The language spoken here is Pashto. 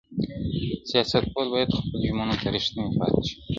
سیاستوال باید خپلو ژمنو ته رښتیني پاتې شي.